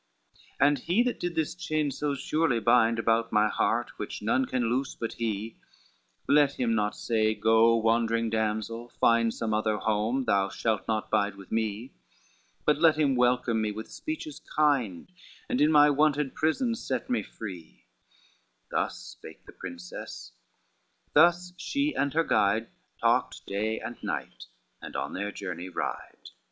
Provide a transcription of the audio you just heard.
CI "And he that did this chain so surely bind About my heart, which none can loose but he, Let him not say, 'Go, wandering damsel, find Some other home, thou shalt not bide with me,' But let him welcome me with speeches kind, And in my wonted prison set me free:" Thus spake the princess, thus she and her guide Talked day and night, and on their journey ride.